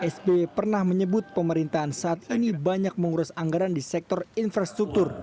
sby pernah menyebut pemerintahan saat ini banyak mengurus anggaran di sektor infrastruktur